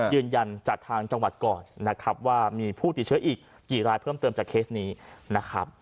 ยืนยันจากทางจังหวัดก่อนนะครับว่ามีผู้ติดเชื้ออีกกี่รายเพิ่มเติมจากเคสนี้นะครับ